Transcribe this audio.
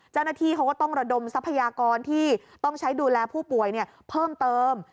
เจ้าหน้าที่เขาก็ต้องระดมทรัพยากรที่ต้องใช้ดูแลผู้ป่วยเพิ่มเติม